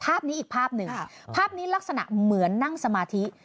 ภาพนี้อีกภาพหนึ่งภาพนี้ลักษณะเหมือนนั่งสมาธิ